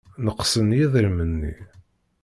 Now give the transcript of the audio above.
Neqsen yidrimen-nni.